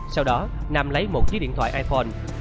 sau đó nam lấy một chiếc điện thoại iphone